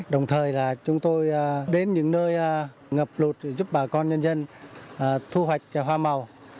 đồng thời là chúng tôi đến những nơi ngập lụt giúp bà con nhân dân thu hoạch hoa màu